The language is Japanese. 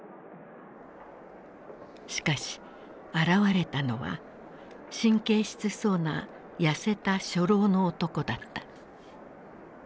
しかし現れたのは神経質そうな痩せた初老の男だった。